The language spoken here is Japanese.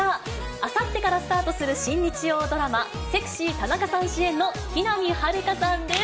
あさってからスタートする新日曜ドラマ、セクシー田中さん主演の木南晴夏さんです。